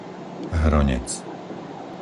Hronec